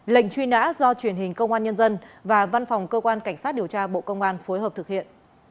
lệnh truy nã do truyền hình công an nhân dân và văn phòng cơ quan cảnh sát điều tra bộ công an phối hợp thực hiện